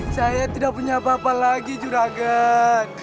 saya tidak punya bapak lagi juragan